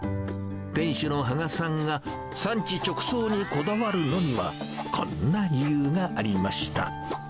店主の芳賀さんが産地直送にこだわるのには、こんな理由がありました。